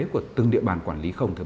của từng địa bàn quản lý không